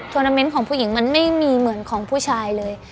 นาเมนต์ของผู้หญิงมันไม่มีเหมือนของผู้ชายเลย